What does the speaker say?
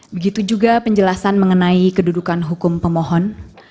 begitu juga penjelasan mengenai kedudukan hukum pemohon